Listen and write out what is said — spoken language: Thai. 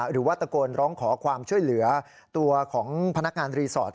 หรือว่าตะโกนร้องขอความช่วยเหลือตัวของพนักงานรีสอร์ท